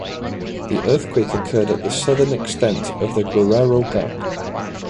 The earthquake occurred at the southern extent of the Guerrero Gap.